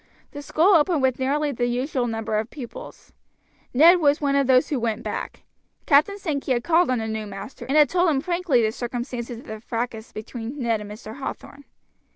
The school opened with nearly the usual number of pupils. Ned was one of those who went back. Captain Sankey had called on the new master, and had told him frankly the circumstances of the fracas between Ned and Mr. Hathorn.